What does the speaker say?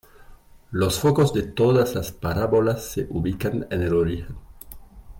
Los focos de todas las parábolas se ubican en el origen.